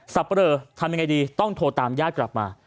เปรอทำยังไงดีต้องโทรตามญาติกลับมา